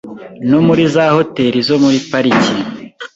no muri za Hoteli zo muri Pariki